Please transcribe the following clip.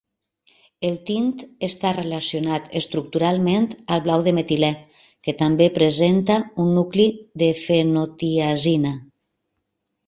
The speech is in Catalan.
El tint està relacionat estructuralment al blau de metilè, que també presenta un nucli de fenotiazina.